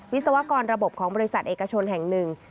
วิศวกรระบบของบริษัทเอกชนแห่งหนึ่ง